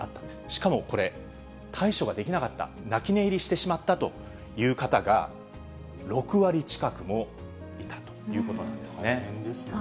しかもこれ、対処ができなかった、泣き寝入りしてしまったという方が、６割近くもいたということな大変ですね。